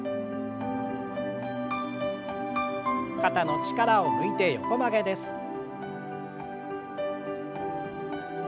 肩の力を抜いて横曲げです。